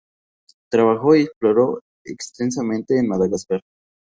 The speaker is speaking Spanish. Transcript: Trabajó y exploró extensamente en Madagascar.